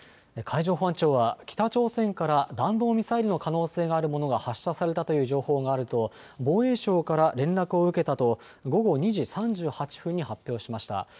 海上保安庁は北朝鮮から弾道ミサイルの可能性があるものが発射されたという情報があると防衛省から連絡を受けたと午後２時３８分に発表しました。